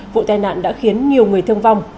vụ tai nạn đã khiến nhiều người thương vong